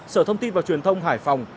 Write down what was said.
sở thông tin và truyền thông hải phòng